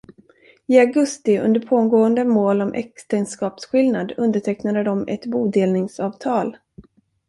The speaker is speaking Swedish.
I augusti – under pågående mål om äktenskapsskillnad – undertecknade de ett bodelningsavtal.